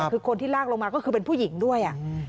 คือคนที่ลากลงมาก็คือเป็นผู้หญิงด้วย